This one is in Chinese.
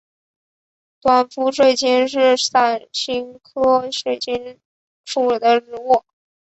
短辐水芹是伞形科水芹属的植物。